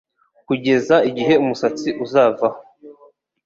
kugeza igihe umusatsi uzavaho.